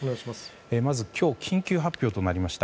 まず今日緊急発表となりました